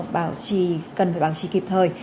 bảo trì cần phải bảo trì kịp thời